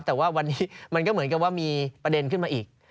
แต่ว่าวันนี้มันก็เหมือนกับว่ามีประเด็นขึ้นมาอีก